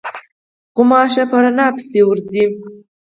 غوماشې په رڼا پسې ورځي.